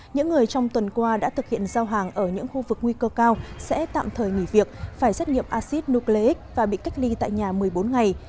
những người trong tuần qua đã thực hiện giao hàng ở những khu vực nguy cơ cao sẽ tạm thời nghỉ việc phải xét nghiệm acid nucleic và bị cách ly tại nhà một mươi bốn ngày